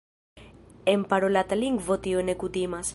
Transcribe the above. En parolata lingvo tio ne kutimas.